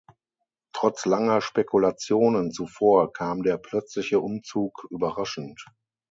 Trotz langer Spekulationen zuvor kam der plötzliche Umzug überraschend.